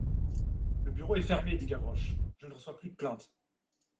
Le bureau est fermé, dit Gavroche, je ne reçois plus de plaintes.